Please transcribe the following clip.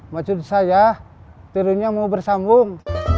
maksud saya turunnya mau bersambung